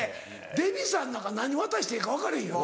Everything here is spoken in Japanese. デヴィさんなんか何渡していいか分かれへんよ。